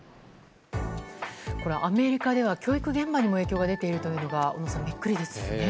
アメリカでは教育現場にも影響が出ているというのが小野さん、ビックリですね。